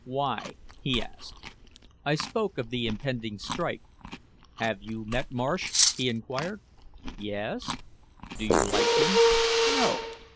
"Why?" he asked. I spoke of the impending strike. "Have you met Marsh?" he inquired. "Yes." "Do you like him?" "No."